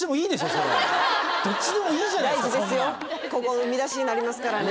そんなんここ見出しになりますからね